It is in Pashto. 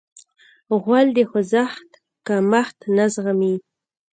غول د خوځښت کمښت نه زغمي.